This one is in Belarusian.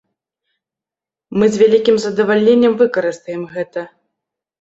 Мы з вялікім задавальненнем выкарыстаем гэта.